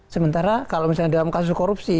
sementara kalau misalnya dalam kasus korupsi